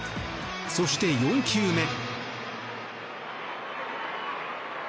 そして、４球目。